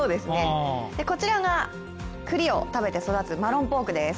こちらが栗を食べて育つマロンポークです。